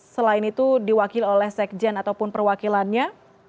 selain itu diwakil oleh sekjen ataupun perwakilannya